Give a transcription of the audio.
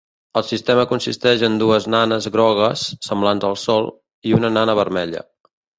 El sistema consisteix en dues nanes grogues, semblants al Sol, i una nana vermella.